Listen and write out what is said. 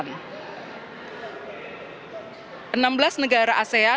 enam belas negara asean dan negara negara di asean